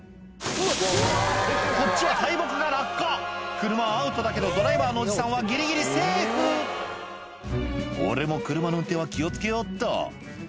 こっちは大木が落下車はアウトだけどドライバーのおじさんはギリギリセーフ「俺も車の運転は気を付けようっと」